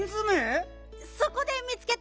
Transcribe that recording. そこで見つけたんだよ。